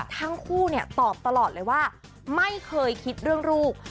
ทั้งคู่ตอบตลอดเลยว่าไม่เคยคิดเรื่องลูก